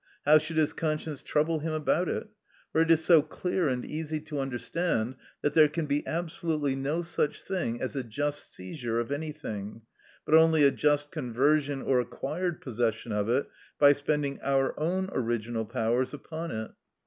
How should his conscience trouble him about it? For it is so clear and easy to understand that there can be absolutely no such thing as a just seizure of anything, but only a just conversion or acquired possession of it, by spending our own original powers upon it.